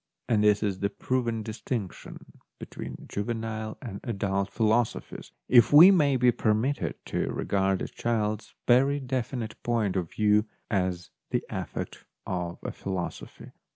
And this is the proved dis tinction between juvenile and adult philoso phies, if we may be permitted to regard a child's very definite point of view as the effect of a philosophy.